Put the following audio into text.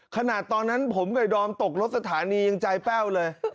ขนาดตอนนั้นผมกับดอมตกรถสถานียังใจแป้วเลย